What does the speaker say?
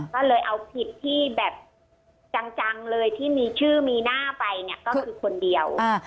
ก็เลยเอาผิดที่แบบจังเลยที่มีชื่อมีหน้าไปเนี่ยก็คือคนเดียว